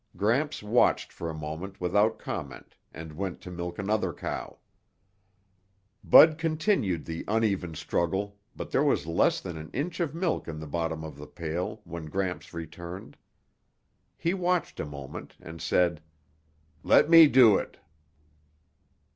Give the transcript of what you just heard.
Gramps watched for a moment without comment and went to milk another cow. Bud continued the uneven struggle but there was less than an inch of milk in the bottom of the pail when Gramps returned. He watched a moment and said, "Let me do it."